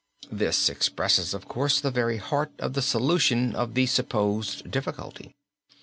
This expresses, of course, the very heart of the solution of the supposed difficulty.